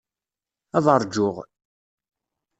Ad ṛjuɣ.